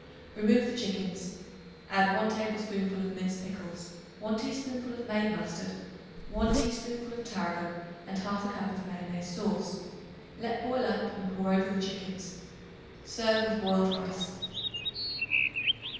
Remove the chickens; add 1 tablespoonful of minced pickles, 1 teaspoonful of made mustard, 1 teaspoonful of tarragon and 1/2 cup of mayonnaise sauce. Let boil up and pour over the chickens. Serve with boiled rice.